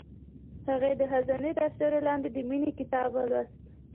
هغې د خزان تر سیوري لاندې د مینې کتاب ولوست.